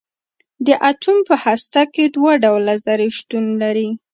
د اټوم په هسته کې دوه ډوله ذرې شتون لري.